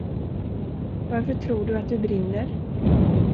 Varför tror du att du brinner?